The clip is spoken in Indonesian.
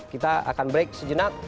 kita akan break sejenak